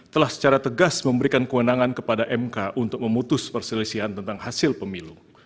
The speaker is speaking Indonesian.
telah secara tegas memberikan kewenangan kepada mk untuk memutus perselisihan tentang hasil pemilu